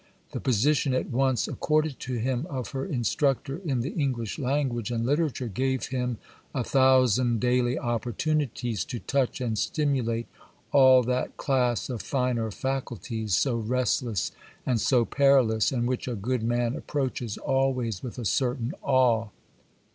The position, at once accorded to him, of her instructor in the English language and literature, gave him a thousand daily opportunities to touch and stimulate all that class of finer faculties, so restless and so perilous, and which a good man approaches always with a certain awe.